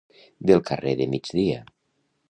Del carrer de migdia.